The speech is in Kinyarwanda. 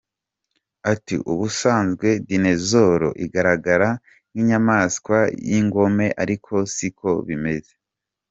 Ati “Ubusanzwe Dinosaur igaragara nk’inyamanswa y’ingome ariko siko bimeze.